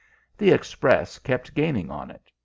The Express kept gaining on it.